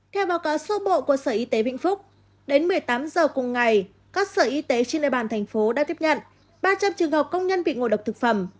theo báo cáo sơ bộ của sở y tế vĩnh phúc đến một mươi tám h cùng ngày các sở y tế trên địa bàn thành phố đã tiếp nhận ba trăm linh trường hợp công nhân bị ngộ độc thực phẩm